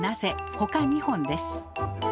ほか２本です。